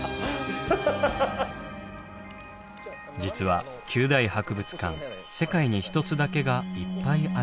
実は九大博物館世界にひとつだけがいっぱいあるのです。